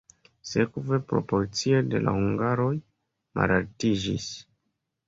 Sekve proporcio de la hungaroj malaltiĝis.